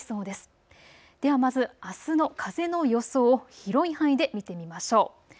ではまずあすの風の予想を広い範囲で見てみましょう。